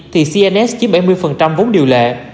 thì cns chiếm bảy mươi vốn điều lệ